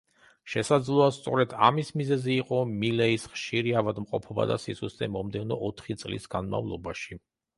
შესაძლოა, სწორედ ამის მიზეზი იყო მილეის ხშირი ავადმყოფობა და სისუსტე მომდევნო ოთხი წლის განმავლობაში.